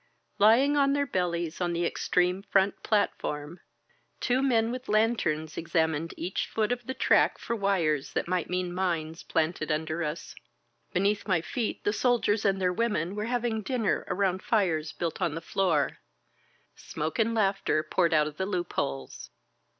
Lying on their bellies on the ex treme front platform, two men with lanterns examined each foot of the track for wires that might mean mines planted under us. Beneath my feet the soldiers and their women were having dinner around fires built on 192 ON THE CANNON CAR the floor. Smoke and laughter poured out of the loop holes.